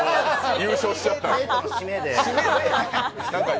優勝しちゃったと。